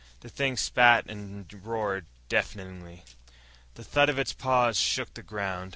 The thing spat and roared deafeningly. The thud of its paws shook the ground.